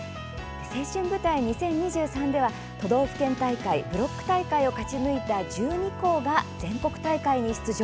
「青春舞台２０２３」では都道府県大会、ブロック大会を勝ち抜いた１２校が全国大会に出場。